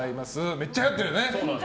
めっちゃはやってるよね。